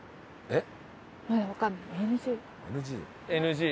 えっ！